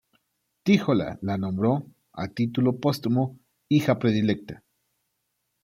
Tíjola, la nombró, a título póstumo, hija predilecta.